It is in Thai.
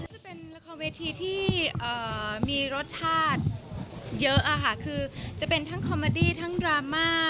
จะเป็นละครเวทีที่มีรสชาติเยอะค่ะคือจะเป็นทั้งคอมเมอดี้ทั้งดราม่า